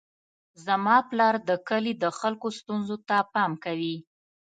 زما پلار د کلي د خلکو ستونزو ته پام کوي.